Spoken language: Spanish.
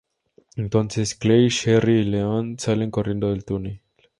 Entonces, Claire, Sherry y Leon salen corriendo del túnel.